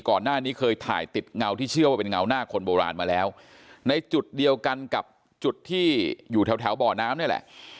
ก่อนหน้านี้เคยถ่ายติดเงาที่เชื่อว่าเป็นเงาหน้าคนโบราณมาแล้วในจุดเดียวกันกับจุดที่อยู่แถวแถวบ่อน้ำนี่แหละ